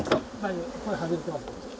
これ外れてます。